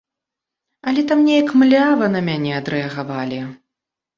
Але там неяк млява на мяне адрэагавалі.